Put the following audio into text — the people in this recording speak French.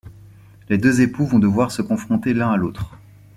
Les deux époux vont devoir se confronter l'un à l'autre.